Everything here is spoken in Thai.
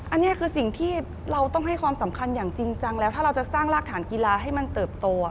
อันนี้คือสิ่งที่เราต้องให้ความสำคัญอย่างจริงจังแล้วถ้าเราจะสร้างรากฐานกีฬาให้มันเติบโต